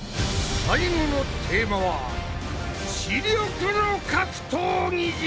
最後のテーマは「知力の格闘技」じゃ！